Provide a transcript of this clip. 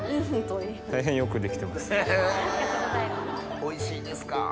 おいしいですか。